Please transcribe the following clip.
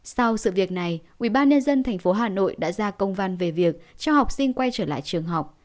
sau sự việc này ubnd tp hà nội đã ra công văn về việc cho học sinh quay trở lại trường học